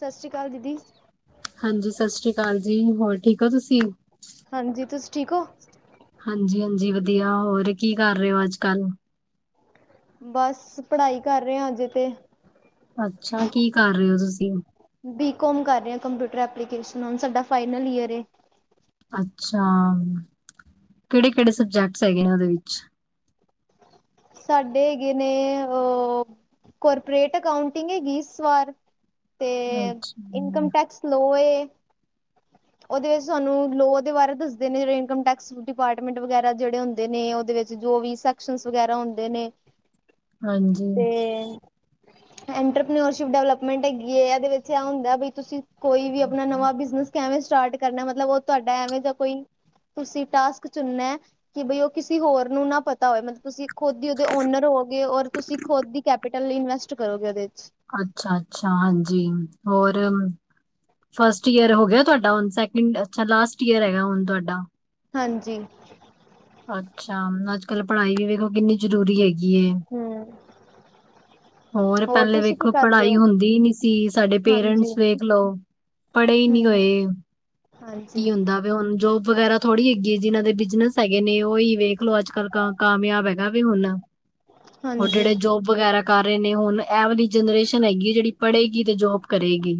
ਸਸ੍ਰੀ ਕਾਲ ਦੀਦੀ। ਹਾਂਜੀ ਸਸ੍ਰੀ ਕਾਲ ਜੀ, ਹੋਰ ਠੀਕ ਓ ਤੁਸੀਂ? ਹਾਂਜੀ, ਤੁਸੀਂ ਠੀਕ ਓ? ਹਾਂਜੀ-ਹਾਂਜੀ ਵਦੀਆ, ਹੋਰ ਕੀ ਕਰ ਰੇ ਓ ਅੱਜ-ਕੱਲ? ਬਸ, ਪੜਾਈ ਕਰ ਰੇ ਆ ਅਜੇ ਤੇ। ਅੱਛਾ, ਕੀ ਕਰ ਰਏ ਓ ਤੁਸੀਂ? ਬੀਕੌਮ ਕਰ ਰੇ ਆ, ਕੰਪਿਊਟਰ ਐਪਲੀਕੇਸ਼ਨ ਹੁਨ ਸਾਡਾ ਫਾਈਨਲ ਈਅਰ ਏ। ਅੱਛਾ, ਕੇੜੇ-ਕੇੜੇ ਸਬਜੈਕਟਸ ਹੈਗੇ ਨੇ ਓਦੇ ਵਿੱਚ? ਸਾਡੇ ਹੈਗੇ ਨੇ, ਅ ਕੋਰਪਰੇਟ ਅਕਾਊਂਟਿੰਗ ਹੈਗੀ ਇਸ ਵਾਰ ਤੇ, ਅੱਛਾ ਇਨਕਮ ਟੈਕਸ ਲੋ ਏ ਓਦੇ ਵਿੱਚ ਸਾਨੂੰ ਲੋ ਦੇ ਬਾਰੇ ਦੱਸਦੇ ਨੇ ਜੇੜੇ ਇਨਕਮ ਟੈਕਸ ਡਿਪਾਰਟਮੈਂਟ ਵਗੈਰਾ ਜੇੜੇ ਹੁੰਦੇ ਨੇ ਓਦੇ ਵਿੱਚ ਜੋ ਵੀ ਸੈਕਸ਼ਨਸ ਵਗੈਰਾ ਹੁੰਦੇ ਨੇ ਹਾਂਜੀ ਤੇ [inaudible] ਐਂਟਰਪਿਨੋਓਰਸ਼ਿਪ ਡਿਵਲਪਮੈਂਟ ਹੈਗੀ ਐ, ਏਦੇ ਵਿੱਚ ਏ ਹੁੰਦਾ ਬਈ ਤੁਸੀਂ ਕੋਈ ਵੀ ਆਪਣਾ ਨਵਾਂ ਬਿਜ਼ਨਸ ਕੈਵੇਂ ਸਟਾਟ ਕਰਨਾ, ਮਤਲਬ ਓ ਤੁਆਡਾ ਐਵੇਂ ਦਾ ਕੋਈ ਤੁਸੀਂ ਟਾਸਕ ਚੁਣਨੈ, ਕਿ ਬਈ ਓ ਕਿਸੀ ਹੋਰ ਨੂੰ ਨਾ ਪ ਤਾ ਹੋਵੇ ਮਤ ਤੁਸੀਂ ਖੁਦ ਈ ਓਦੇ ਓਨਰ ਹੋਓਗੇ, ਔਰ ਤੁਸੀਂ ਖੁਦ ਦੀ ਕੈਪੀਟਲ ਲਈ ਇਨਵੈਸਟ ਕਰੋਗੇ ਓਦੇ ਵਿੱਚ। ਅੱਛਾ-ਅੱਛਾ, ਹਾਂਜੀ, ਹੋਰ? ਫਸਟ ਈਅਰ ਹੋ ਗਿਆ ਤੁਆਡਾ ਹੁਣ ਸੈਕਿੰਡ ਅੱਛਾ ਲਾਸਟ ਈਅਰ ਹੈਗਾ ਹੁਣ ਤੁਆਡਾ? ਹਾਂਜੀ। ਅੱਛਾ, ਅੱਜ-ਕੱਲ ਪੜਾਈ ਵੀ ਵੇਖੋ ਕਿੰਨੀ ਜ਼ਰੂਰੀ ਹੈਗੀ ਏ। ਹੂੰ। ਹੋਰ ਪੈਲੇ ਵੇਖੋ ਪੜਾਈ ਹੁੰਦੀ ਈ ਨੀ ਸੀ ਸਾਡੇ ਹਾਂਜੀ ਪੇਰੈਂਟਸ ਵੇਖ ਲਓ। ਪੜੇ ਈ ਨੀ ਹਮ ਹੋਏ। ਹਾਂਜੀ ਕੀ ਹੁੰਦਾ ਵੈ ਹੁਣ ਜੋਬ ਵਗੈਰਾ ਥੋੜੀ ਹੈਗੀ ਐ ਜਿਨਾਂ ਦੇ ਬਿਜਨਸ ਹੈਗੇ ਨੇ ਓ ਈ ਵੇਖਲੋ ਅੱਜ-ਕੱਲ ਕ ਕਾਮਯਾਬ ਹੈਗਾ ਵੈ ਹੁਨ। ਹੁਨ ਹਾਂਜੀ ਜੇੜੇ ਜੋਬ ਵਗੈਰਾ ਕਰ ਰੇ ਨੇ ਹੁਨ ਐ ਵਾਲੀ ਜਨਰੇਸ਼ਨ ਹੈਗੀ ਐ ਜੇੜੀ ਪੜੇਗੀ ਤੇ ਜੋਬ ਕਰੇਗੀ।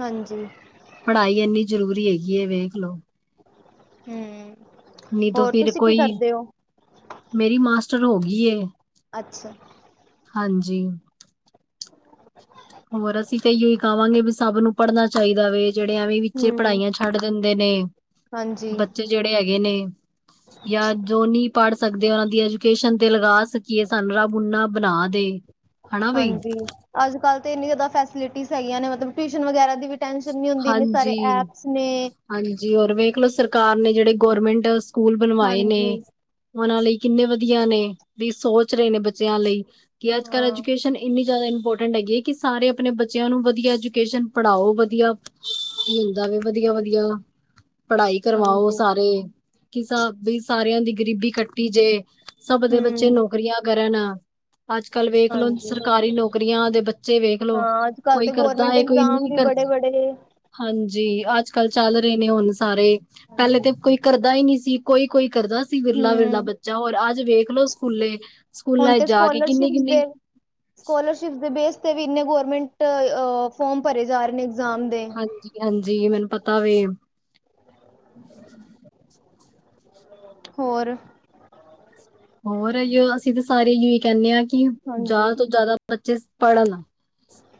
ਹਾਂਜੀ। ਪੜਾਈ ਏਨੀ ਜ਼ਰੂਰੀ ਹੈਗੀ ਏ ਵੇਖ ਲੋ। ਹੂੰ, ਨਹੀਂ ਤਾਂ ਹੋਰ ਫਿਰ ਤੁਸੀਂ ਕੀ ਕੋਈ ਕਰਦੇ ਓ? ਮੇਰੀ ਮਾਸਟਰ ਹੋਗੀ ਏ। ਅੱਛਾ। ਹਾਂਜੀ। ਹੋਰ ਅਸੀਂ ਤਾਂ ਏ ਈਓ ਕਵਾਂਗੇ ਵੀ ਸਬ ਨੂੰ ਪੜਨਾ ਚਾਈਦਾ ਵੇ। ਜੇੜੇ ਐਵੇਂ ਈ ਵਿੱਚੇ ਹਮ ਪੜਾਈਆਂ ਛੱਡ ਦਿੰਦੇ ਨੇ, ਹਾਂਜੀ ਬੱਚੇ ਜੇੜੇ ਹੈਗੇ ਨੇ, ਯਾਂ ਜੋ ਨੀ ਪੜ ਸਕਦੇ ਓਨਾਂ ਦੀ ਐਜੂਕੇਸ਼ਨ ਤੇ ਲਗਾ ਸ ਸਕੀਏ ਸਾਂਨੂੰ ਰੱਬ ਉਨਾ ਬਣਾ ਦੇ। ਹਨਾ ਬਈ ਹਾਂਜੀ ਅੱਜ ਕੱਲ੍ਹ ਤੇ ਇੰਨੀ ਜਾਦਾ ਫੈਸਿਲਿਟੀਜ਼ ਹੈਗੀਆਂ ਨੇ ਮਤਲਬ ਟਿਊਸ਼ਨ ਵਗੈਰਾ ਦੀ ਵੀ ਟੈਂਸ਼ਨ ਨੀ ਹੁੰਦੀ ਇਨੇ ਸਾਰੇ ਹਾਂਜੀ, ਐਪਸ ਨੇ। ਹਾਂਜੀ ਓਰ ਵੇਖਲੋ ਸਰਕਾਰ ਨੇ ਜੇੜੇ ਗੌਰਮੈਂਟ ਸਕੂਲ ਬਣਵਾਏ ਹਾਂਜੀ, ਨੇ। ਓਨਾਂ ਲਈ ਕਿੰਨੇ ਵਧੀਆ ਨੇ ਵੀ ਸੋਚ ਰੇ ਨੇ ਬੱਚਿਆਂ ਲਈ ਕੀ ਅੱਜ ਕੱਲ ਹਾਂ, ਐਜੂਕੇਸ਼ਨ ਇੰਨੀ ਜਾਦਾ ਇੰਪੋਰਟੈਂਟ ਹੈਗੀ ਐ ਕੀ ਸਾਰੇ ਆਪਣੇ ਬੱਚਿਆਂ ਨੂੰ ਵਧੀਆ ਐਜੂਕੇਸ਼ਨ ਪੜ੍ਹਾਓ ਵ ਧੀਆ ਕੀ ਹੁੰਦਾ ਵੇ ਵਧੀਆ-ਵਧੀਆ ਪੜ੍ਹਾਈ ਕਰਵਾਓ ਹਾਂਜੀ, ਸਾਰੇ। ਕੀ ਸਾਬੀ ਸਾਰਿਆਂ ਦੀ ਗਰੀਬੀ ਕੱਟੀ ਜੇ ਸਭ ਦੇ ਬੱਚੇ ਹੂੰ, ਨੌਕਰੀਆਂ ਕਰਨ। ਅੱਜ ਕੱਲ ਵੇਖਲੋ ਹਾਂਜੀ, ਸਰਕਾਰੀ ਨੌਕਰੀਆਂ ਦੇ ਬੱਚੇ ਵੇਖਲੋ ਹਾਂ ਅੱਜ-ਕੱਲ੍ਹ ਕੋਈ ਤੇ ਕਰਦਾ ਗੌਰਮੈਂਟ ਏ ਕੋਈ ਇਗਜ਼ਾਮ ਨੀ ਕਰ [inaudible] ਹਾਂਜੀ ਅੱਜ ਕੱਲ ਚੱਲ ਰੇ ਨੇ ਹੁਣ ਸਾਰੇ ਪੈਲੇ ਹਾਂਜੀ, ਤੇ ਕੋਈ ਕਰਦਾ ਈ ਨੀ ਸੀ ਕੋਈ-ਕੋਈ ਕਰਦਾ ਸੀ ਵਿਰਲਾ-ਵਿਰਲਾ ਹੂੰ, ਬੱਚਾ ਹੋਰ ਅੱਜ ਵੇਖ ਲੋ ਸਕੂਲੇ। ਸਕੂਲਾਂ ਜਾ ਕੇ ਕਿੰਨੀ-ਕਿੰਨੀ ਸਕੋਲਰਸ਼ਿਪ ਦੇ ਬੇਸਤੇ ਵੀ ਇੰਨੇ ਗੌਰਮੈਂਟ ਅ ਫੋਰਮ ਭਰੇ ਜਾ ਰੇ ਨੇ ਇਗਜ਼ਾਮ ਦੇ। ਹਾਂਜੀ-ਹਾਂਜੀ ਮੈਨੂੰ ਪਤਾ ਵੇ। [unintelligible] ਹੋਰ? ਹੋਰ ਏਈਓ ਅਸੀਂ ਤਾਂ ਸਾਰੇ ਏਈਓ ਕੈਂਦੇ ਆ ਕੀ ਹਾਂਜੀ, ਜਾਦਾ ਤੋਂ ਜਾਦਾ ਬੱਚੇ ਪੜ੍ਹਨ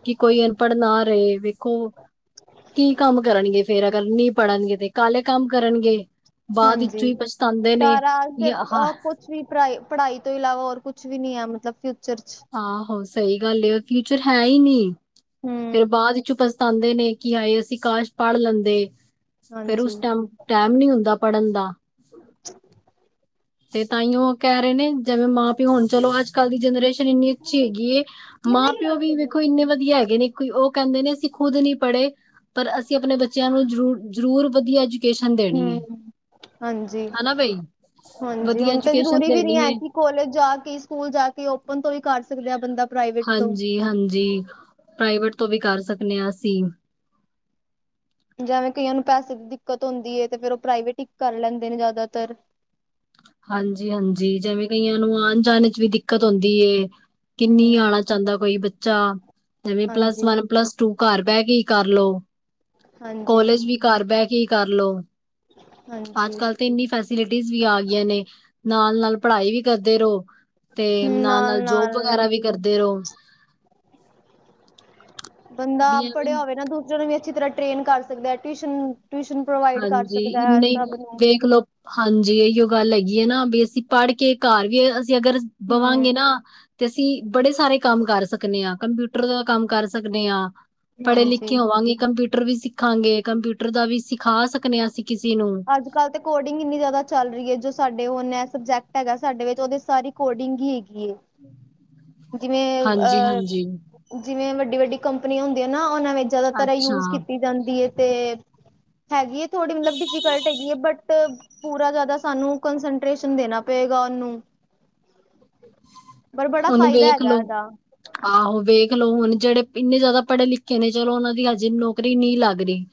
ਕੀ ਕੋਈ ਅਨਪੜ੍ਹ ਨਾ ਰਏ। ਕੋ ਕੀ ਕੰਮ ਕਰਨਗੇ ਫੇਰ ਅਗਰ ਨਈ ਪੜ੍ਹਨਗੇ ਤੇ। ਕਾਲੇ ਕੰਮ ਕਰਨਗੇ ਬਾਦ ਹਾਂਜੀ। ਵਿੱਚ ਈ ਪਛਤਾਂਦੇ ਨੇ ਵਿਚ ਆਹ ਕੁੱਛ ਵੀ ਪ੍ਰਾਈ ਪੜ੍ਹਾਈ ਤੋਂ ਇਲਾਵਾ ਹੋਰ ਕੁੱਛ ਵੀ ਨੀ ਐ ਮਤਲਬ ਫਿਊਚਰ ਚ। ਹਾਂ ਹੋ ਸਈ ਗੱਲ ਅ ਫਿਊਚਰ ਹੈ ਈ ਨੀ ਹੂੰ, ਫੇਰ ਬਾਦ ਚ ਪ ਤਾਂਦੇ ਨੇ ਕਿ ਹਾਏ ਅਸੀਂ ਕਾਸ਼ ਪੜ੍ਹ ਲੈਂਦੇ ਫੇਰ ਉਸ ਹਾਂਜੀ। ਟੈਮ ਟੈਮ ਨੀ ਹੁੰਦਾ ਪੜ੍ਹਨ ਦਾ। [inaudible] ਤੇ ਤਾਂਈਓ ਕੈ ਰੇ ਨੇ ਜਿਵੇਂ ਮਾਂ ਪਿਓ ਹੁਣ ਚਲੋ ਅੱਜ ਕੱਲ ਦੀ ਜਨਰੇਸ਼ਨ ਇੰਨੀ ਅੱਛੀ ਹੈਗੀ ਏ। ਹੂੰ, ਮਾਂ -ਪਿਓ ਵੀ ਵੇਖੋ ਇੰਨੇ ਵਧੀਆ ਹੈਗੇ ਨੇ ਕੋਈ ਓ ਕੈਂਦੇ ਨੇ ਅਸੀਂ ਖੁਦ ਨੀ ਪੜ੍ਹੇ ਪਰ ਅਸੀਂ ਆਪਣੇ ਬੱਚਿਆਂ ਨੂੰ ਜਰੂਰ-ਜਰੂਰ ਵਧੀਆ ਐਜੂ ਕੇਸ਼ਨ ਦੇਣੀ ਏ ਹਾਂਜੀ। ਹਨਾ ਬਾਈ ਹਾਂਜੀ, ਵਧੀਆ ਹੁਣ ਤੇ ਐਜਕੇਸ਼ਨ ਜ਼ਰੂਰੀ ਵੀ ਨੀ ਦੇਣੀ ਹੈ ਏ। ਕਿ ਕੋਲਜ ਜਾ ਕੇ ਸਕੂਲ ਜਾ ਕੇ ਓਪਨ ਤੋਂ ਹੀ ਕਰ ਸਕਦੇ ਹਾਂ ਬੰਦਾ। ਪ੍ਰਾਈਵੇਟ ਤੋਂ। ਹਾਂਜੀ -ਹਾਂਜੀ ਪ੍ਰਾਈਵੇਟ ਤੋਂ ਵੀ ਕਰ ਸਕਦੇ ਹਾਂ ਅਸੀਂ। ਜਿਵੇਂ ਕਈਆਂ ਨੂੰ ਪੈਸੇ ਦੀ ਦਿੱਕਤ ਹੁੰਦੀ ਹੈ। ਤੇ ਫੇਰ ਉਹ ਪ੍ਰਾਈਵੇਟ ਹੀ ਕਰ ਲੈਂਦੇ ਨੇ ਜ਼ਿਆਦਾਤਰ। ਹਾਂਜੀ -ਹਾਂਜੀ ਜਿਵੇਂ ਕਈਆਂ ਨੂੰ ਆਉਣ ਜਾਣ ਚ ਵੀ ਦਿੱਕਤ ਆਉਂਦੀ ਹੈ। ਕਿੰਨੀ ਹੂੰ, ਆਉਣਾ ਚਾਹੁੰਦਾ ਕੋਈ ਬੱਚਾ ਜਿਵੇਂ ਪਲੱਸ ਹਾਂਜੀ, ਵਨ ਪਲੱਸ ਟੂ ਘਰ ਬਹਿ ਕੇ ਹੀ ਕਰ ਲ ਹਾਂਜੀ, ਕੋਲੇਜ ਵੀ ਘਰ ਬਹਿ ਕੇ ਹੀ ਕਰ ਲੋ। ਹਾਂਜੀ ਅੱਜ ਕੱਲ ਤੇ ਇੰਨੀ ਫੈਸਿਲਿਟੀਜ਼ ਵੀ ਆ ਗਈਆਂ ਨੇ ਨਾਲ ਨਾਲ ਪੜ੍ਹਾਈ ਵੀ ਕਰਦੇ ਰਹੋ। ਤੇ ਹੂੰ ਨਾਲ ਨਾਲ ਨਾਲ-ਨਾਲ ਜੋਬ ਵਗੈਰਾ ਵੀ ਕਰਦੇ ਰਹੋ। ਬੰਦਾ ਵੀ ਆਪ ਐਵੇਂ ਪੜਿਆ ਹੋਵੇ ਨਾ ਦੂਸਰਿਆਂ ਨੂੰ ਵੀ ਅੱਛੀ ਤਰ੍ਹਾਂ ਟੇਰੇਡ ਕਰ ਸਕਦਾ ਟਿਊਸ਼ਨ। ਟਿਊਸ਼ਨ ਪ੍ਰੋਵਾਈਡ ਕਰ ਹਾਂਜੀ ਸਕਦਾ ਹੈ ਇੰਨੇ ਈ ਸਭ ਨੂੰ। ਵੇਖਲੋ ਹਾਂਜੀ ਇਹੀਓ ਗੱਲ ਹੈਗੀ ਹੈ ਨਾ ਵੀ ਅਸੀਂ ਪੜ੍ਹ ਕੇ ਘਰ ਵੀ ਅਗਰ ਹੂੰ, ਬਵਾਂਗੇ ਨਾ ਤੇ ਅਸੀਂ ਬੜੇ ਸਾਰੇ ਕੰਮ ਕਰ ਸਕਦੇ ਹਾਂ। ਕੰਪਿਊਟਰ ਦਾ ਕੰਮ ਕਰ ਸਕਦੇ ਹਾਂ। ਪੜ੍ਹੇ ਲਿਖੇ ਹਾਂਜੀ। ਹੋਵਾਂਗੇ ਕੰਪਿਊਟਰ ਵੀ ਸਿੱਖਾਂਗੇ ਕੰਪਿਊਟਰ ਦਾ ਵੀ ਸਿਖਾ ਸਕਦੇ ਹਾਂ ਅਸੀਂ ਕਿਸੇ ਨੂੰ। ਅੱਜ ਕੱਲ੍ਹ ਤੇ ਕੋਡਿੰਗ ਇੰਨੀ ਜ਼ਿਆਦਾ ਚੱਲ ਰਹੀ ਹੈ ਜੋ ਸਾਡੇ ਉਹ ਨ ਸਬਜੈਕਟ ਹੈਗਾ ਸਾਡੇ ਵਿੱਚ ਉਹਦੇ ਸਾਰੀ ਕੋਡਿੰਗ ਹੀ, ਹੈਗੀ ਹੈ ਜਿਵੇਂ ਹਾਂਜੀ ਅਹ। ਹਾਂਜੀ ਜਿਵੇਂ ਵੱਡੀ-ਵੱਡੀ ਕੰਪਨੀੀਆਂ ਹੁੰਦੀਆਂ ਨਾ। ਉਹਨਾਂ ਵਿਚ ਜਿਆਦਾ ਤਰ ਯੂਜ ਅੱਛਾ ਕੀਤੀ ਜਾਂਦੀ ਹੈ ਤੇ। ਹੈਗੀ ਹੈ ਥੋੜ੍ਹੀ ਮਤਲਬ ਡਿਫੀਕਲਟ ਹੈਗੀ ਹੈ। ਬਟ ਪੂਰਾ ਜਿਆਦਾ ਸਾਨੂੰ ਕੰਸਟੇਸ਼ਨ ਦੇਣਾ ਪਏਗਾ ਉਹਨੂੰ। ਪਰ ਬੜਾ ਹੁਣ ਫਾਇਦਾ ਵੇਖ ਹੈਗਾ ਲੋੋ, ਇਹਦਾ ਆਹੋ ਵੇਖ ਲਓ ਹੁਣ ਜਿਹੜੇ ਇੰਨੇ ਜ਼ਿਆਦਾ ਪੜ੍ਹੇ ਲਿਖੇ ਨੇ, ਚਲੋ ਉਹਨਾਂ ਦੀ, ਹਾਜੇ ਨੌਕਰੀ ਨਹੀ ਲੱਗ ਰਹੀ।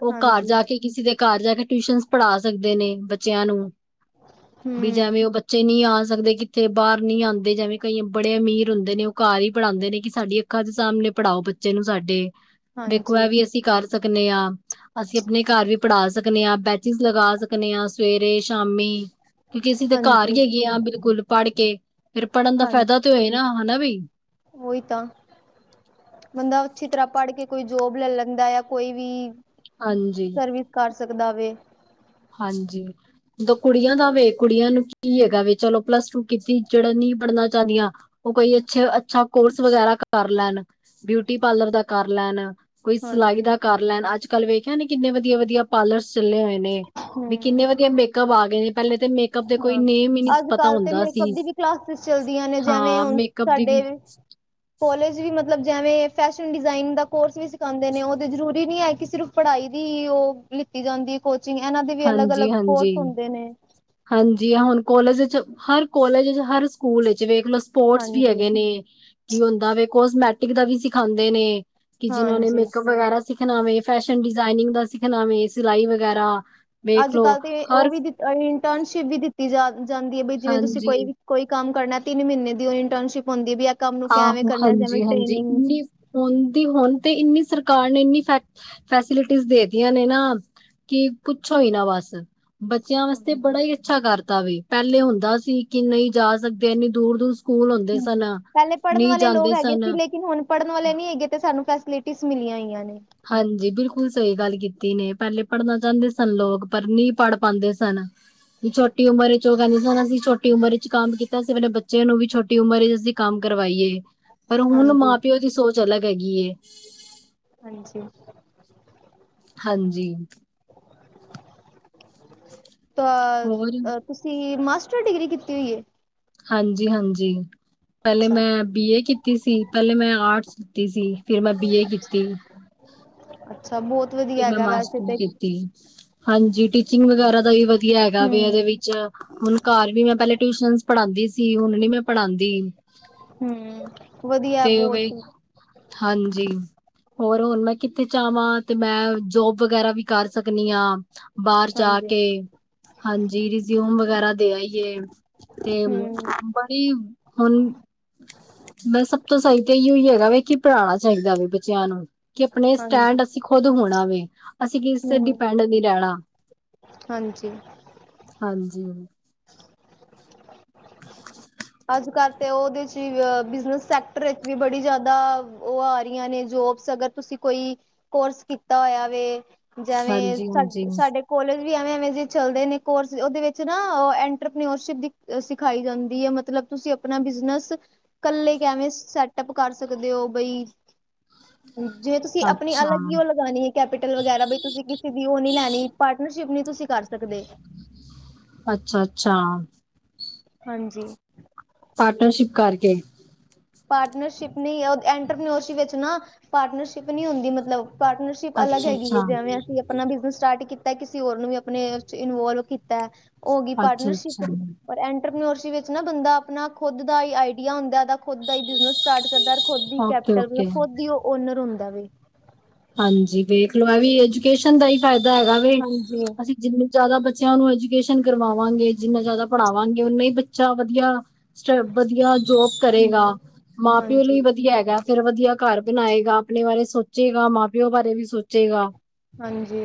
ਉਹ ਘਰ ਹਾਂਜੀ ਜਾ, ਕੇ ਕਿਸੇ ਦੇ ਘਰ ਜਾ, ਕੇ ਟਿਊਸ਼ਨ ਪੜ੍ਹਾ ਸਕਦੇ ਨੇ। ਬੱਚਿਆਂ ਨੂੰ ਵੀ, ਹਮ ਜਿਵੇਂ ਉਹ ਬੱਚੇ ਨਹੀਂ ਆ ਸਕਦੇ। ਕਿੱਥੇ ਬਾਹਰ ਨੀ ਆਉਂਦੇ ਜਿਵੇਂ। ਕਈ ਬੜੇ ਅਮੀਰ ਹੁੰਦੇ ਨੇ ਉਹ ਘਰ ਹੀ ਪੜ੍ਹਾਉਂਦੇ ਨੇ ਕਿ ਸਾਡੀ ਅੱਖਾਂ ਦੇ ਸਾਹਮਣੇ ਪੜ੍ਹਾਓ ਬੱਚੇ ਨੂੰ ਸਾਡੇ। ਦੇਖੋ ਹਾਂਜੀ ਇਹ ਵੀ, ਅਸੀਂ ਕਰ ਸਕਦੇ ਹਾਂ। ਅਸੀਂ ਆਪਣੇ ਘਰ ਵੀ, ਪੜ੍ਹਾ ਸਕਦੇ ਹਾਂ। ਬੈਚਿਸ ਲਗਾ ਸਕਦੇ ਹਾਂ ਸਵੇਰੇ ਸ਼ਾਮੀ। ਕਿਉਂਕਿ ਕਿਸੇ ਤਾਂ ਘਰ ਹਾਂਜੀ ਹੀ ਹੈਗੇ ਹਾਂ, ਬਿਲਕੁਲ ਪੜ੍ਹ ਕੇ ਫੇਰ ਪੜ੍ਹਨ ਦਾ ਫਾਇਦਾ ਤੇ, ਹੋਏ ਨਾ ਹਨਾ ਬ। ਉਹ ਤਾਂ ਬੰਦਾ ਅੱਛੀ ਤਰ੍ਹਾਂ ਪੜ੍ਹ ਕੇ, ਕੋਈ ਜੋਬ ਲੈ ਲੈਂਦਾ ਜਾਂ ਕੋਈ ਵੀ। ਹਾਂਜੀ ਸਰਵਿਸ ਕਰ ਸਕਦਾ ਵੇ। ਹਾਂਜੀ ਕੁੜੀਆਂ ਦਾ ਵੇ, ਕੁੜੀਆਂ ਨੂੰ ਕੀ ਹੈਗਾ ਵ ਚਲੋ। ਪਲੱਸ ਟੂ ਕੀਤੀ ਜਿਹੜਾ ਨਹੀਂ ਪੜ੍ਹਨਾ ਚਾਹੁੰਦੀਆਂ। ਉਹ ਕੋਈ ਅੱਛੇ-ਅੱਛਾ ਕੋਰਸ ਵਗੈਰਾ ਕਰ ਲੈਣ। ਬਿਊਟੀ ਪਾਰਲਰ ਦਾ ਕਰ ਲੈਣ। ਕੋਈ ਸਿਲਾਈ ਹਾਂਜੀ ਦਾ ਕਰ ਲੈਣ ਅੱਜ-ਕੱਲ ਵੇਖਿਆ ਨੇ, ਕਿੰਨੇ ਵਧੀਆ-ਵਧੀਆ ਪਾਰਲਰਸ ਚੱਲੇ ਹੋਏ ਨੇ। ਵੀ ਕਿੰਨੇ ਹਮ ਵਧੀਆ ਮੇਕਅਪ ਆ ਗਏ ਨੇ। ਪਹਿਲੇ ਤੇ ਮੇਕ ਮੇਕਅਪ ਦੇ ਕੋਈ ਹਾਂ ਨੇਮ ਹੀ, ਨਹੀਂ ਅੱਜ ਪਤਾ ਕੱਲ੍ਹ ਤੇ ਹੁੰਦਾ ਮੇਕਅਪ ਸੀ। ਦੀ ਵੀ ਕਲਾਸਿਸ ਚੱਲਦੀਆਂ ਨੇ ਜਿਵੇਂ ਹਾਂ ਹੁਣ ਮੇਕਅਪ ਦੀ ਸਾਡੇ ਵੀ ਹਾਂਜੀ। ਕੋਲਜ ਵੀ ਮਤਲਬ ਜਿਵੇਂ ਫੈਸ਼ਨ ਡਿਜ਼ਾਇਨਿੰਗ ਦਾ ਕੋਰਸ ਵੀ, ਸਿਖਉਂਦੇ ਨੇ ਉਹ ਤਾਂ ਜ਼ਰੂਰੀ ਨਹੀਂ ਹੈ। ਕਿ ਸਿਰਫ ਪੜ੍ਹਾਈ ਦੀ ਉਹ ਲਿੱਤੀ ਜਾਂਦੀ ਹੈ ਕੋਚਿੰਗ ਇਹਨਾਂ ਦੇ, ਵੀ ਹਾਂਜੀ ਅਲੱਗ-ਅਲੱਗ ਕੋਰਸ ਹਾਂਜੀ ਹੁੰਦੇ ਨੇ। ਹਾਂਜੀ ਹੁਣ ਕੋਲਜ ਵਿੱਚ ਹਰ ਕੋਲੇਜ ਚ, ਹਰ ਸਕੂਲ ਵਿੱਚ ਵੇਖ ਲਵੋ। ਸਪੋਰਟਸ ਵੀ, ਹਾਂਜੀ ਹੈਗੇ ਨੇ ਕੀ ਹੁੰਦਾ ਵ, ਕੋਸਮੈਟਿਕ ਦਾ ਵੀ ਸਿਖਾਉਂਦੇ ਨੇ। ਕਿ ਜਿਨਾਂ ਨੇ ਹਾਂਜੀ ਮੇਕਅਪ ਵਗੈਰਾ ਸਿੱਖਣਾ ਵੇ। ਫੈਸ਼ਨ ਡਿਜ਼ਾਇਨਿੰਗ ਦਾ ਸਿੱਖਣਾ ਵ, ਸਿਲਾਈ ਵਗੈਰਾ। ਵੇਖ ਲੋ ਅੱਜ-ਕੱਲ੍ਹ ਤੇ ਉਹ ਹਰ ਵੀ ਇੰਟਰਨਸ਼ਿਪ ਵੀ, ਦਿੱਤੀ ਜਾ ਜਾਂਦੀ ਹੈ। ਬਈ ਜਿਵੇਂ ਤੁਸੀਂ ਹਾਂਜੀ ਕੋਈ ਵੀ ਕੋਈ ਕੰਮ ਕਰਨਾ ਤਿੰਨ ਮਹੀਨੇ ਦੀ, ਉਹ ਇੰਟਰਨਸ਼ਿਪ ਹੁੰਦੀ ਵੀ। ਕੰਮ ਨੂੰ ਕਿਵੇਂ ਆਹੋ ਕਰਨਾ ਜਿਵੇਂ ਹਾਂਜੀ-ਹਾਂਜੀ ਟ੍ਰੇਨਿੰਗ ਇਨੀ ਹ ਦੀ ਹੁਣ ਤੇ ਇੰਨੀ ਸਰਕਾਰ ਨੇ, ਇੰਨੀ ਫੈਕ ਫੈਸਿਲਿਟੀਜ ਦੇ ਦੀਆਂ ਨੇ, ਨਾ ਕਿ ਪੁੱਛੋ ਹੀ ਨਾ ਬਸ। ਬੱਚਿਆਂ ਵਾਸਤੇ ਹਾਂਜੀ ਬੜਾ ਹੀ, ਅੱਛਾ ਕਰਤਾ ਵੀ, ਪਹਿਲੇ ਹੁੰਦਾ ਸੀ ਕਿ ਨਹੀਂ ਜਾ ਸਕਦੇ ਇੰਨੀ ਦੂਰ-ਦੂਰ। ਸਕੂਲ ਹੁੰਦੇ ਸਨ। ਹੂੰ ਪਹਿਲੇ ਪੜ੍ਹਨ ਨਹੀਂ ਵਾਲੇ ਲੋਕ ਜਾਂਦੇ ਹੈਗੇ ਸਨ। ਸੀ। ਲੇਕਿਨ ਹੁਣ ਪੜ੍ਹਨ ਵਾਲੇ ਨੀ ਹੈਗੇ ਤੇ ਸਾਨੂੰ ਫੈਸਿਲਿਟੀਜ਼ ਮਿਲੀਆਂ ਹੋਈਆਂ ਨੇ। ਹਾਂਜੀ ਬਿਲਕੁਲ ਸਹੀ ਗੱਲ ਕੀਤੀ ਨੇ, ਪਹਿਲੇ ਪੜ੍ਹਨਾ ਚਾਹੁੰਦੇ ਸਨ। ਲੋਕ ਪਰ ਨਹੀਂ ਪੜ੍ਹ ਪਾਉਂਦੇ ਸਨ। ਵੀ, ਛੋਟੀ ਉਮਰ ਚ, ਉਹ ਕਹਿੰਦੇ ਸੀ। ਅਸੀਂ ਛੋਟੀ ਉਮਰ ਚ, ਕੰਮ ਕੀਤਾ ਸੀ ਆਪਣੇ ਬੱਚਿਆਂ ਨੂੰ ਵੀ, ਛੋਟੀ ਉਮਰ ਚ, ਅਸੀਂ ਕੰਮ ਕਰਵਾਈਏ ਪਰ ਹੁਣ ਹਾਂਜੀ ਮਾਂ ਪਿਓ ਦੀ ਸੋਚ ਅਲੱਗ ਹੈਗੀ। ਹਾਂਜੀ ਹਾਂਜੀ ਹੋਰ ਤਾਂ ਤੁਸੀਂ ਮਾਸਟਰ ਡਿਗਰੀ ਕੀਤੀ ਹੋਈ ਹੈ। ਹਾਂਜੀ-ਹਾਂਜੀ ਪਹਿਲੇ ਅੱਛਾ। ਮੈਂ, ਬੀ ਕੀਤੀ ਸੀ ਪਹਿਲੇ ਮੈਂ ਆਰਟਸ ਦਿੱਤੀ ਸੀ ਫਿਰ ਮੈਂ, ਬੀ ਏ ਕੀਤੀ ਅੱਛਾ ਬਹੁਤ ਵਧੀਆ ਫਿਰ ਮੈਂ ਹੈਗਾ ਵੈਸੇ ਮਾਸਟਰ ਤੇ। ਕੀਤੀ। ਹਾਂਜੀ ਟੀਚਿੰਗ ਵਗੈਰਾ ਦਾ, ਵੀ ਵਧੀਆ ਹੈਗਾ ਵੀ ਇਹਦੇ ਹੂੰ ਵਿੱਚ ਹੁਣ ਘਰ ਵੀ ਮੈਂ, ਪਹਿਲੇ ਟਿਊਸ਼ਨ ਪੜਾਉਂਦੀ ਸੀ ਹੁਣ ਨਹੀ ਮੈਂ, ਪੜ੍ਹਾਉਂਦੀ ਹੂੰ ਵਧੀਐ ਓਵੇ ਬਹੁਤ। ਹਾਂਜੀ ਹੋਰ ਹੁਣ ਮੈਂ ਕਿੱਥੇ ਜਾਵਾਂ। ਤੇ ਮੈਂ ਜੋਬ ਵਗੈਰਾ ਵੀ ਕਰ ਸਕਦੀ ਹਾਂ ਬਾਹਰ ਜਾ ਹਾਂਜੀ ਕੇ ਹਾਂਜੀ ਰਿਜ਼ਿਊਮ ਵਗੈਰਾ ਦੇ ਆ ਏ ਤੇ ਹੂੰ ਆਪਣੀ [unintelligible] ਹੁਣ ਬਸ ਸਭ ਤੋਂ ਸਹੀ ਏਯੋ ਹੀ ਹੈਗਾ ਵੇ ਕਿ ਪੜ੍ਹਾਣਾ ਚਾਹੀਦਾ ਵੇ ਬੱਚਿਆਂ ਨੂੰ। ਕਿ ਆਪਣੇ ਹਾਂਜੀ। ਸਟੈਂਡ ਅਸੀਂ ਖੁਦ ਹੋਣਾ ਵੇ ਅਸੀਂ ਕਿਸ ਤੇ ਹੂੰ ਡਿਪੈਂਡ ਨਹੀਂ ਰੈਣਾ। ਹਾਂਜੀ ਹਾਂਜੀ। ਅੱਜ-ਕੱਲ੍ਹ ਤਾਂ ਉਹਦੇ ਚ ਬਿਜਨਸ ਸੈਕਟਰ ਵਿੱਚ ਵੀ ਬੜੀ ਜ਼ਿਆਦਾ ਉਹ ਆ ਰਹੀਆਂ ਨੇ ਜੋਬਸ ਅਗਰ ਤੁਸੀਂ ਕੋਈ ਕੋਰਸ ਕੀਤਾ ਹੋਇਆ ਵ ਜੈਵੇਂ ਹਾਂਜੀ ਹਾਂਜੀ ਸਾਡੇ-ਸਾਡੇ।। ਕੋਲੇਜ ਵੀ ਐਵੇਂ-ਐਵੇਂ ਜੇ ਚੱਲਦੇ ਨੇ ਕੋਰਸ ਉਹਦੇ ਵਿੱਚ ਨਾ ਟਰਪ੍ਰਿਰਿਪ [unintelligible] ਸਿਖਾਈ ਜਾਂਦੀ ਆ ਮਤਲਬ ਤੁਸੀਂ ਆਪਣਾ ਬਿਜਨਸ ਕੱਲੇ ਕੈਵੇਂ ਸੈਟਅਪ ਕਰ ਸਕਦੇ ਹੋ ਬਈ ਜਿਵੇਂ ਤੁਸੀਂ ਆਪਣੀ ਅੱਛਾ ਅਲੱਗ ਹੀ ਉਹ ਲਗਾਉਣੀ ਹੈ। ਕੈਪੀਟਲ ਵਗੈਰਾ ਵੀ ਤੁਸੀਂ ਕਿਸੇ ਦੀ ਉਹ ਨੀ ਲੈਣੀ ਪਾਰਟਨਰਸ਼ਿਪ ਨਹੀਂ ਤੁਸੀਂ ਕਰ ਸਕਦੇ। ਅੱਛਾ-ਅੱਛਾ ਹਾਂਜੀ। ਪਾਰਟਨਰਸ਼ਿਪ ਕਰਕੇ ਪਾਰਨਰਸ਼ਿਪ ਨਈ ਐਂਟਰਟੇਨਮੈਂਟ ਚ ਨਾ ਪਾਰਨਰਸ਼ਿਪ ਨੀਂ ਹੁੰਦੀ ਮਤਲਬ ਪਾਰਟਰਸ਼ਿ ਪ ਅਲੱਗ ਅੱਛਾ ਹੈਗੀ ਹੈ ਅੱਛਾ ਜਿਵੇਂ ਅਸੀਂ ਆਪਣਾ ਬਿਜਨਸ ਸਟਾਰਟ ਕੀਤਾ ਕਿਸੇ ਹੋਰ ਨੂੰ ਵੀ ਆਪਣੇ ਇਨਵੋਲਵ ਕੀਤੈ। ਔ ਹੋ ਗਈ ਅੱਛਾ ਪਾਰਟਨਰਸ਼ਿਪ ਅੱਛਾ ਪਰ ਐਂਟਰਪਿਨੋਰਸੀ ਵਿਚ ਨਾ ਬੰਦਾ ਆਪਣਾ ਖੁਦ ਦਾ ਹੀ ਆਈਡੀਆ ਹੁੰਦਾ ਦਾ ਖੁਦ ਦਾ ਹੀ ਬਿਜਨਸ ਸਟਾਟ ਕਰਦੈ ਖੁਦ ਹੀ ਓਕੇ ਕੈਪੀਟਲ ਮਤਲਬ ਓਕੇ ਖੁਦ ਹੀ ਉਹ ਓਨਰ ਹੁੰਦਾ ਵੇ। ਹਾਂਜੀ ਵੇਖ ਲੋ ਇਹ ਵੀ ਐਜੂਕੇਸ਼ਨ ਦਾ ਹੀ ਫਾਇਦਾ ਹੈਗਾ ਵੇ ਹਾਂਜੀ ਅਸੀਂ ਜਿੰਨੀ ਜ਼ਿਆਦਾ ਬੱਚਿਆਂ ਨੂੰ ਐਜੂਕੇਸ਼ਨ ਕਰਵਾਵਾਂਗੇ ਜਿੰਨਾ ਜ਼ਿਆਦਾ ਪੜ੍ਹਾਵਾਂਗੇ ਉਓਨਾ ਹੀ ਬੱਚਾ ਵਧੀਆ ਸਟ ਵਧੀਆ ਜੋਬ ਕਰੇਗਾ ਹਮ ਮਾਂ-ਪਿਓ ਲਈ ਹਾਂਜੀ ਵਧੀਆ ਹੈਗਾ। ਫਿਰ ਵਧੀਆ ਘਰ ਬਣਾਏਗਾ, ਆਪਣੇ ਬਾਰੇ ਸੋਚੇ ਗਾ ਮਾਂ-ਪਿਓ ਬਾਰੇ ਵੀ ਸੋਚੇਗਾ। ਹਾਂਜੀ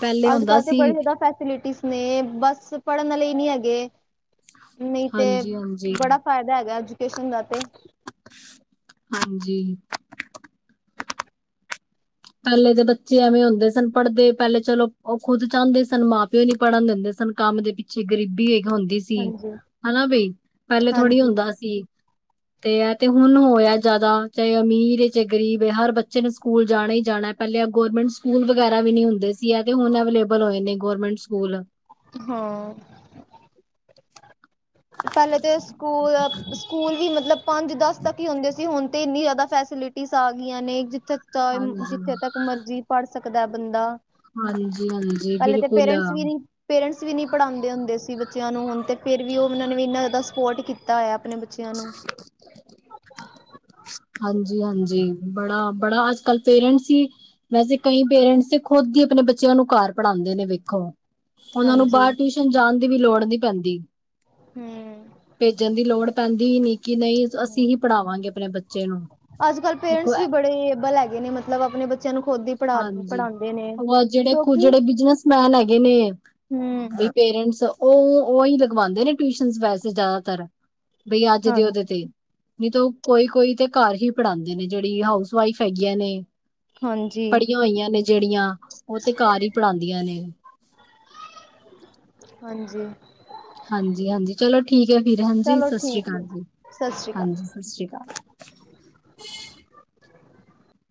ਪਹਿਲੇ ਹੁੰਦਾ ਅੱਜ-ਕੱਲ ਤੇ ਸੀ ਬੜੀ ਜ਼ਿਆਦਾ ਫੈਸਿਲਿਟੀ ਨੇ ਬਸ ਪੜ੍ਹਨ ਆਲੇ ਨਹੀਂ ਹੈਗੇ ਨਹੀਂ ਤੇ ਹਾਂਜੀ ਹਾਂਜੀ ਬੜਾ ਫੈਦਾ ਹੈਗਾ ਐਜੂਕੇਸ਼ਨ ਦਾ ਤੇ ਹਾਂਜੀ। ਪਹਿਲੇ ਦੇ ਬੱਚੇ ਐਵੇਂ ਹੁੰਦੇ ਸਨ ਪੜ੍ਹਦੇ ਪਹਿਲੇ ਚਲੋ ਉਹ ਖੁਦ ਚਾਹੁੰਦੇ ਸਨ ਮਾਂ-ਪਿਓ ਨੀ ਪੜ੍ਹਨ ਦਿੰਦੇ ਸਨ। ਕੰਮ ਦੇ ਪਿੱਛੇ ਗਰੀਬੀ ਇੱਕ ਹੁੰਦੀ ਸੀ ਹਾਂਜੀ ਹਨਾ ਬਈ ਪਹਿਲੇ ਥੋੜ੍ਹੀ ਹਾਂਜੀ ਹੁੰਦਾ ਸੀ। ਤੇ ਹੈ ਤੇ ਹੁਣ ਹੋਇ ਜ਼ਿਆਦਾ ਚਾਹੇ ਅਮੀਰ ਚਾਹੇ ਗਰੀਬ ਹੈ ਹਰ ਬੱਚੇ ਨੂੰ ਸਕੂਲ ਜਾਣਾ ਹੀ ਜਾਣਾ। ਪਹਿਲੇ ਗਰਮੈਂਟ ਸਕੂਲ ਵਗੈਰਾ ਵੀ ਨੀ ਹੁੰਦੇ ਸੀ ਐ ਤੇ ਹੁਣ ਅਵੇਲੇਬਲ ਹੋਏ ਨੇ ਗਰਮੈਂਟ ਸਕੂਲ। ਹਾਂ ਪਹਿਲੇ ਤੇ ਸਕੂਲ, ਸਕੂਲ ਵੀ ਮਤਲਬ ਪੰਜ-ਦਸ ਤੱਕ ਹੀ ਹੁੰਦੇ ਸੀ। ਤੇ ਹੁਣ ਤੇ ਇੰਨੀ ਜ਼ਿਆਦਾ ਫੈਸਿਲਿਟੀਜ਼ ਆ ਗਈਆਂ ਨੇ ਜਿੱਥੇ ਚਾਹ ਹਾਂਜੀ ਜਿੱਥੇ ਤੱਕ ਮਰਜੀ ਪੜ੍ਹ ਸਕਦੈ ਬੰਦਾ। ਹਾਂਜੀ-ਹਾਂਜੀ ਪਹਿਲੇ ਤੇ ਬਿਲਕੁਲ। ਪੇਰੈਂਟਸ ਵੀ ਨੀ ਪੜ੍ਹਾਉਦੇ ਹੁੰਦੇ ਸੀ ਬੱਚਿਆਂ ਨੂੰ ਹੁਣ ਤੇ ਫੇਰ ਵੀ ਉਹ ਨੇ ਵੀ ਏਨਾ ਜ਼ਿਆਦਾ ਸਪੋਰਟ ਕੀਤਾ ਹੋਆ ਆਪਣੇ ਬੱਚਿਆਂ ਨੂੰ। ਹਾਂਜੀ-ਹਾਂਜੀ, ਬੜਾ-ਬੜਾ ਅੱਜ-ਕੱਲ ਪੇਰੈਂਟ ਈ ਵੈਸੇ ਕਈ ਪੇਰੈਂਟਸ ਤੇ ਖੁਦ ਈ ਅਪਣੇ ਬੱਚੇਆਂ ਨੂੰ ਕਾਰ ਪੜ੍ਹਾਂਦੇ ਨੇ ਵੇਖੋ। ਉਹਨਾਂ ਨੂੰ ਹਾਂਜੀ ਬਾਹਰ ਟਿਸ਼ਨ ਜਾਣ ਦੀ ਵੀ ਲੋੜ ਨੀ ਪੈਂਦੀ। ਹਮ ਭੇਜਣ ਦੀ ਲੋੜ ਪੈਂਦੀ ਈ ਨਈ ਕਿ ਨਈ ਅਸੀਂ ਹੀ ਪੜ੍ਹਾਵਾਂਗੇ ਅਪਣੇ ਬ ਅੱਜ ਕੱਲ ਪੇਰੈਂਟਸ ਵੀ ਬੜੇ ਏਬਲ ਹੈਗੇ ਨੇ ਮਤਲਬ ਅਪਣੇ ਬ ਚੇਆਂ ਨੂੰ ਖੁਦ ਹੀ ਪੜ੍ਹਾ ਹਾਂਜੀ ਪੜ੍ਹਾਂਦੇ ਨੇ, ਉਹ ਜਿਹੜੇ ਕੁ ਕਿਉਂਕਿ ਜਿਹੜੇ ਹਮ ਵੀ ਪੇਰੈਂਟਸ ਉਹ ਉਈ ਲਗਵਾਂਦੇ ਨੇ ਟਿਸ਼ਨਸ ਵੈਸੇ ਜਾਦਾਤਰ। ਬਈ ਆਜ ਹਾਂ ਦੇ ਉਹਦੇ ਤੇ ਨਈ ਤੋਂ ਕੋਈ-ਕੋਈ ਤੇ ਕਾਰ ਹੀ ਪੜ੍ਹਾਂਦੇ ਨੇ, ਜੇਹੜੀ ਹਾਊਸ ਵਾਈਫ ਹੈਗੀਆਂ ਨੇ ਹਾਂਜੀ ਪੜ੍ਹੀਆਂ ਹੋਈਆਂ ਨੇ ਜੇਹੜੀਆਂ, ਉਹ ਤੇ ਕਾਰ ਈ ਪੜ੍ਹਾਂਦੀਆਂ ਨੇ। ਹਾਂਜੀ। ਹਾਂਜੀ-ਹਾਂਜੀ ਚਲੋ ਠੀਕ ਏ ਫਿਰ ਹਾਂਜੀ, ਚਲੋ ਸਸ਼੍ਰੀ ਠੀਕ ਕਾਲ ਹੈ ਜੀ, ਸਤਿ ਸ਼੍ਰੀ ਅਕਾਲ ਹਾਂਜੀ। ਸਸ਼੍ਰੀ ਕਾਲ।